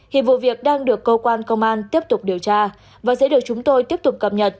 hiệp vụ việc đang được cơ quan công an tiếp tục điều tra và sẽ được chúng tôi tiếp tục cập nhật